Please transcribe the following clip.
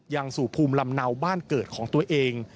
ยังสู่ภูมิลำเนาบ้านเกิดของตัวเอง